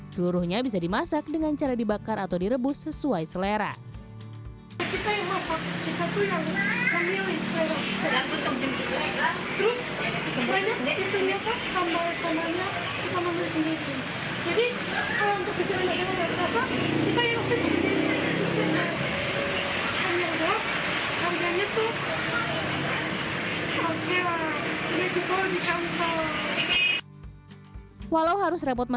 seluruhnya bisa dimasak dengan cara dibakar atau direbus sesuai selera